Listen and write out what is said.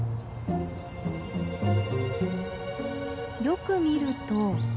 よく見ると。